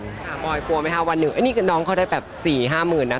น๊วนผมกลัวว่าเค้าเรื่องนี้ก็ได้แบบ๔๕หมื่นเนี้ย